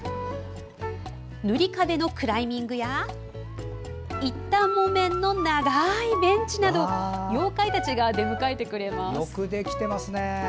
ぬりかべのクライミングや一反もめんの長いベンチなど妖怪たちが出迎えてくれます。